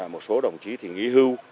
một số đồng chí thì nghỉ hưu